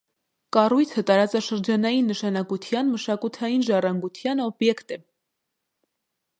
Կառույցը տարածաշրջանային նշանակության մշակութային ժառանգության օբյեկտ է։